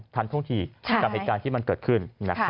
ท่วงทีกับเหตุการณ์ที่มันเกิดขึ้น